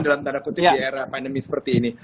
dalam tanda kutip di era pandemi seperti ini